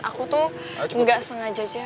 aku tuh gak sengaja aja